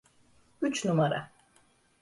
Üç numara.